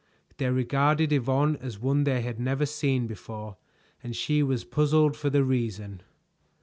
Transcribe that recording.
They regarded Yvonne as one they had never seen before, and she was puzzled for the reason.